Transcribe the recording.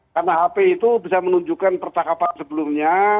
karena hp itu bisa menunjukkan pertangkapan sebelumnya